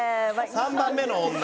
３番目の女。